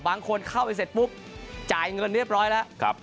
บางคนเข้าไปเสร็จปุ๊บจ่ายเงินเรียบร้อยแล้ว